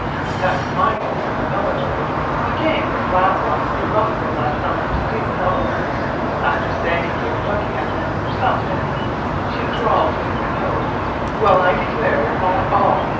"That reminds me of a miller's wife who came from Black Rock, near Buffalo, last summer, to see the Falls. After standing here, and looking at them for some minutes, she drawled through her nose 'Well, I declare, is that all?